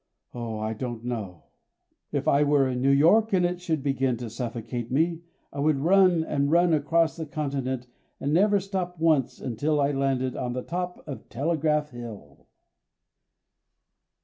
Oh, I don't know. If I were in New York and it should begin to suffocate me I would run and run across the continent and never stop once until I landed on the top of Telegraph Hill.